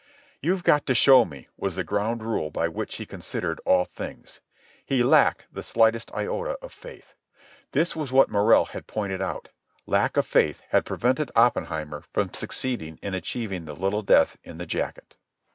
"You've got to show me," was the ground rule by which he considered all things. He lacked the slightest iota of faith. This was what Morrell had pointed out. Lack of faith had prevented Oppenheimer from succeeding in achieving the little death in the jacket.